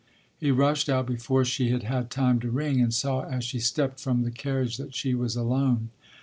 He rushed out before she had had time to ring, and saw as she stepped from the carriage that she was alone.